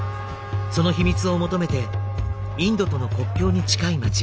その秘密を求めてインドとの国境に近い街